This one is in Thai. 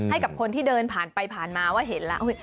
ให้กับคนที่เดินผ่านไปผ่านมาว่าเห็นแล้ว